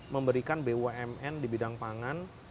memberikan bumn di bidang pangan